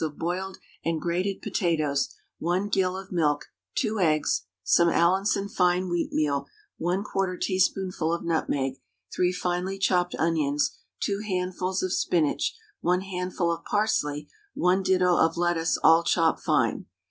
of boiled and grated potatoes, 1 gill of milk, 2 eggs, some Allinson fine wheatmeal 1/4 teaspoonful of nutmeg, 3 finely chopped onions, 2 handfuls of spinach, 1 handful of parsley, 1 ditto of lettuce, all chopped fine.